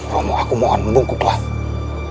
romo aku mohon membungkuk tuhan